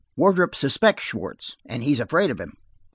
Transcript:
Wardrop suspects Schwartz, and he's afraid of him.